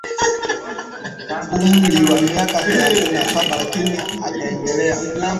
Umri wa miaka thelathini na saba lakini akaendelea